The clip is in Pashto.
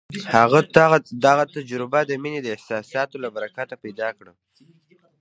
هغه دغه تجربه د مينې د احساساتو له برکته پيدا کړه.